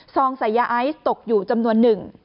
ใส่ยาไอซ์ตกอยู่จำนวนหนึ่ง